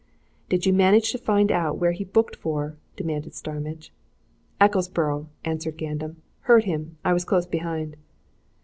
"Did you manage to find out where he booked for!" demanded Starmidge. "Ecclesborough," answered Gandam. "Heard him! I was close behind."